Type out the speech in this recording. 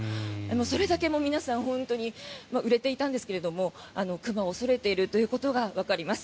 それだけ皆さん、本当に売れていたんですけれども熊を恐れていたということがわかります。